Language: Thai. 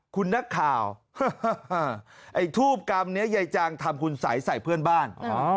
คุณนักข่าวไอ้ทูบกรรมนี้ยายจางทำคุณสัยใส่เพื่อนบ้าน